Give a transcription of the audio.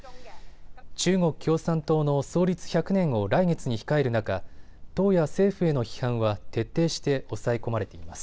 中国共産党の創立１００年を来月に控える中、党や政府への批判は徹底して抑え込まれています。